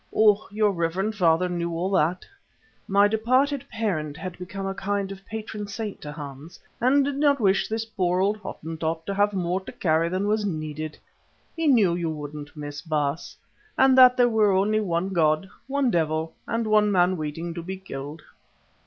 Oh! your reverend father knew all that" (my departed parent had become a kind of patron saint to Hans) "and did not wish this poor old Hottentot to have more to carry than was needed. He knew you wouldn't miss, Baas, and that there were only one god, one devil, and one man waiting to be killed."